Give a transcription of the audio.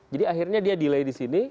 jadi akhirnya dia delay di sini